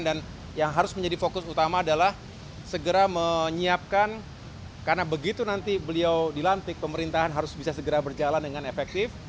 dan yang harus menjadi fokus utama adalah segera menyiapkan karena begitu nanti beliau dilantik pemerintahan harus bisa segera berjalan dengan efektif